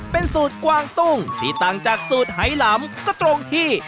เป็นสูตรกวางตุ้งที่ต่างจากสูตรไหลำก็ตรงที่